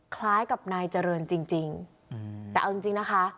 คล้ายกับนายเจริญจริงแต่เอาจริงจริงนะคะ